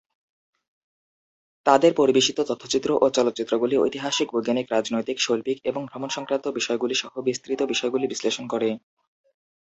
তাদের পরিবেশিত তথ্যচিত্র ও চলচ্চিত্রগুলি ঐতিহাসিক, বৈজ্ঞানিক, রাজনৈতিক, শৈল্পিক এবং ভ্রমণ সংক্রান্ত বিষয়গুলি সহ বিস্তৃত বিষয়গুলি বিশ্লেষণ করে।